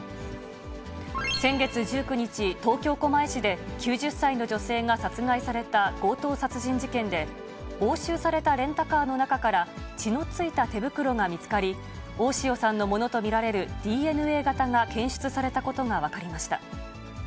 先月１９日、東京・狛江市で、９０歳の女性が殺害された強盗殺人事件で、押収されたレンタカーの中から、血のついた手袋が見つかり、大塩さんのものと見られるＤＮＡ型が検出されたことが分かりました。